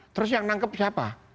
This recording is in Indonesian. terus yang nangkep siapa